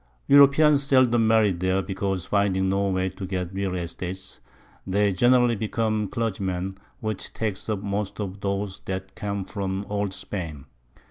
Europeans seldom marry there, because finding no way to get real Estates, they generally become Clergymen, which takes up most of those that come from Old Spain.